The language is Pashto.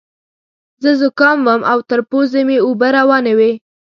زه ذکام وم او تر پوزې مې اوبه روانې وې.